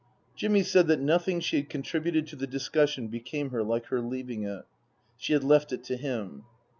Jimmy said that nothing she had contributed to the discussion became her like her leaving it. She had left it to him.